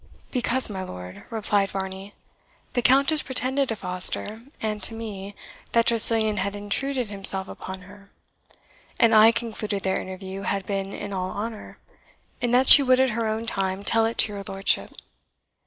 "Because, my lord," replied Varney, "the Countess pretended to Foster and to me that Tressilian had intruded himself upon her; and I concluded their interview had been in all honour, and that she would at her own time tell it to your lordship.